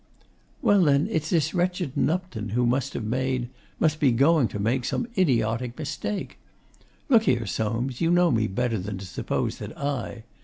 'Well, then it's this wretched Nupton who must have made must be going to make some idiotic mistake.... Look here, Soames! you know me better than to suppose that I....